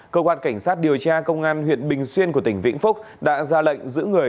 cơ quan cảnh sát điều tra công an huyện bình xuyên của tỉnh vĩnh phúc đã ra lệnh giữ người